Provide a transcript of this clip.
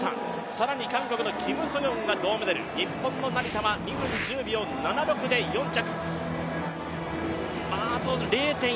更に韓国のキム・ソヨンが銅メダル２分１０秒７６で４着。